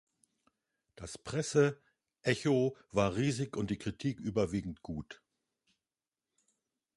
Das Presse Echo war riesig und die Kritik überwiegend gut.